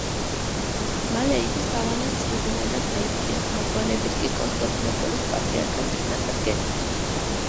მალე იგი სავანის იღუმენად აირჩიეს, მოგვიანებით კი კონსტანტინოპოლის პატრიარქად იქნა დადგენილი.